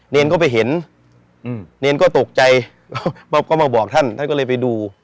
เนรก็ไปเห็นเนรก็ตกใจก็มาบอกท่านท่านก็เลยไปดู